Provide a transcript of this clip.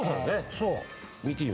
そう。